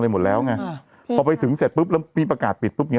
หมดแล้วไงอ่าพอไปถึงเสร็จปุ๊บแล้วมีประกาศปิดปุ๊บเง